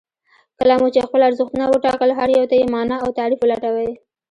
کله مو چې خپل ارزښتونه وټاکل هر يو ته يې مانا او تعريف ولټوئ.